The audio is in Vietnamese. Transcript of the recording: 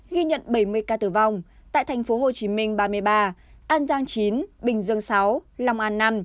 ghi nhận bảy mươi ca tử vong tại thành phố hồ chí minh ba mươi ba an giang chín bình dương sáu lòng an năm